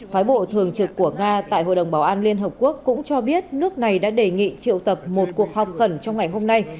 phái bộ thường trực của nga tại hội đồng bảo an liên hợp quốc cũng cho biết nước này đã đề nghị triệu tập một cuộc họp khẩn trong ngày hôm nay